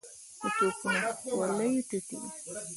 د توپونو خولې ټيټې وې.